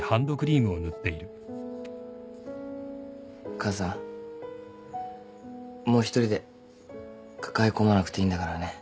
母さんもう１人で抱え込まなくていいんだからね。